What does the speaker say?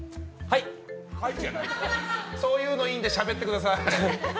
そういうのいいのでしゃべってください。